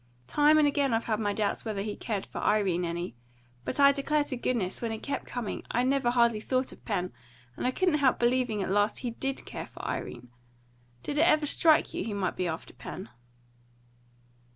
Time and again I've had my doubts whether he cared for Irene any; but I declare to goodness, when he kept coming, I never hardly thought of Pen, and I couldn't help believing at last he DID care for Irene. Did it ever strike you he might be after Pen?"